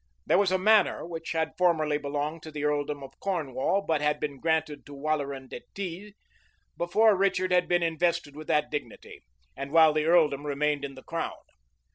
There was a manor, which had formerly belonged to the earldom of Cornwall but had been granted to Waleran de Ties, before Richard had been invested with that dignity, and while the earldom remained in the crown.